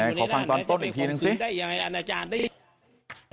แต่จะไปคงคืนได้ยังไงอาจารย์ได้ยังไง